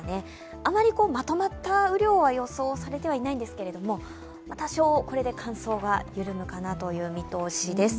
あまりまとまった雨量は予想されてはいないんですけれども、多少、これで乾燥が緩むかなという見通しです。